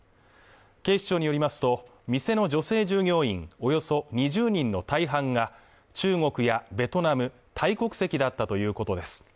警視庁によりますと店の女性従業員およそ２０人の大半が中国やベトナムタイ国籍だったということです